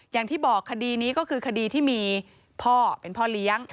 อย่างที่บอกคดีนี้ก็คือคดีที่มีพ่อเป็นพ่อเลี้ยง